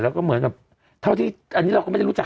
แล้วก็เหมือนแบบเท่าที่อันนี้เราก็ไม่ได้รู้จัก